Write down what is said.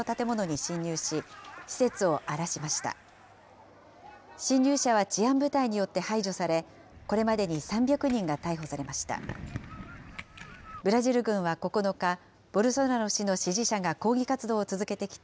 侵入者は治安部隊によって排除され、これまでに３００人が逮捕されました。